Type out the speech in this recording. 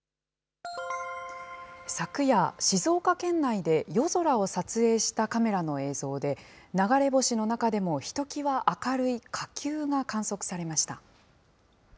昨夜、静岡県内で夜空を撮影したカメラの映像で、流れ星の中でもひときわ明るい火球が観測されました。